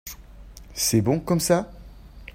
C'est bon comme ça ?